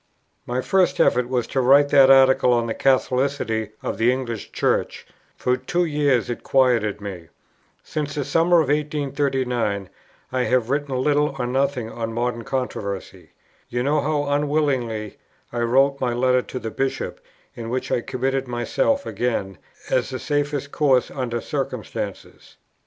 "My first effort was to write that article on the Catholicity of the English Church; for two years it quieted me. Since the summer of 1839 I have written little or nothing on modern controversy.... You know how unwillingly I wrote my letter to the Bishop in which I committed myself again, as the safest course under circumstances.